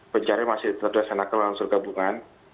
pencarian masih terdesanakan langsung gabungan